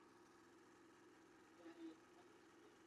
Hortik aurrera, egunero emititzen da programa, astelehenetik ostiralera.